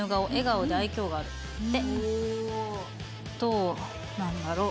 どうなんだろう？